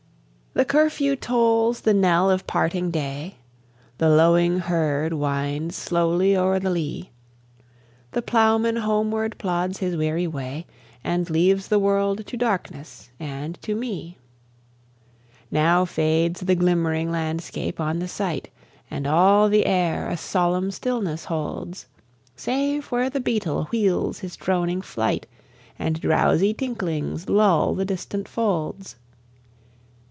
The curfew tolls the knell of parting day, The lowing herd winds slowly o'er the lea, The plowman homeward plods his weary way, And leaves the world to darkness and to me. Now fades the glimmering landscape on the sight, And all the air a solemn stillness holds, Save where the beetle wheels his droning flight, And drowsy tinklings lull the distant folds.